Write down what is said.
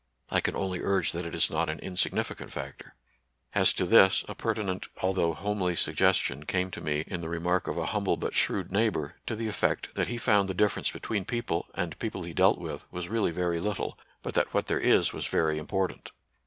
I can only urge that it is not an insignificant factor. As to this, a pertinent although homely suggestion came to me in the remark of a humble but shrewd neighbor, to the effect that he found the difference between people and people he dealt with was really very little, but that what there is was very important.